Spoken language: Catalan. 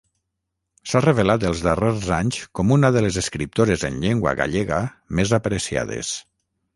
S'ha revelat els darrers anys com una de les escriptores en llengua gallega més apreciades.